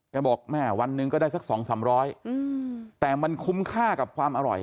ก็บอกแม่วันหนึ่งก็ได้สักสองสามร้อยอืมแต่มันคุ้มค่ากับความอร่อย